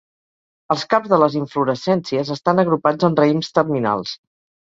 Els caps de les inflorescències estan agrupats en raïms terminals.